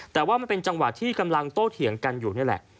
แต่ว่ามันเป็นจังหวะที่กำลังโต้เถียงกันอยู่นี่แหละ